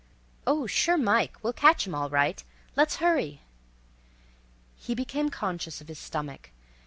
"Oh, sure Mike, we'll catch 'em all right—let's hurry." He became conscious of his stomach.